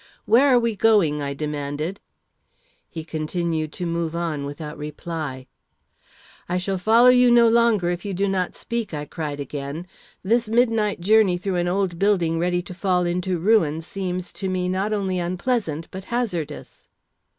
"Where are we going?" I demanded. He continued to move on without reply. "I shall follow you no longer if you do not speak," I cried again. "This midnight journey through an old building ready to fall into ruins seems to me not only unpleasant but hazardous."